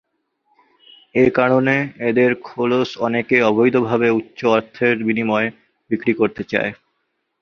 এ কারণে এদের খোলস অনেকে অবৈধভাবে উচ্চ অর্থের বিনিময়ে বিক্রি করতে চায়।